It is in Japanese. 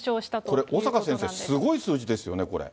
これ、小坂先生、すごい数字ですよね、これ。